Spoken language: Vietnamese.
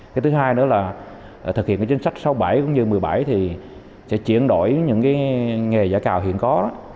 cái thứ hai nữa là thực hiện cái chính sách sáu mươi bảy cũng như một mươi bảy thì sẽ chuyển đổi những nghề giã cào hiện có đó